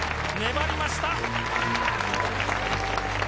粘りました。